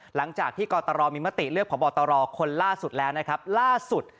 หลังจากที่กตรมีมติเลือกพบตรคนล่าสุดแล้วนะครับล่าสุด